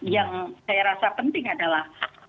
yang saya rasa penting adalah